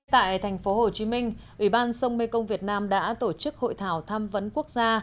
tại thành phố hồ chí minh ủy ban sông mê công việt nam đã tổ chức hội thảo tham vấn quốc gia